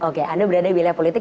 oke anda berada di wilayah politik